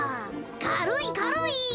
かるいかるい。